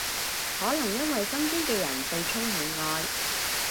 可能因為身邊嘅人到充滿愛